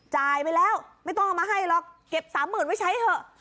จ่ายไปแล้วไม่ต้องเอามาให้หรอกเก็บสามหมื่นไว้ใช้เถอะ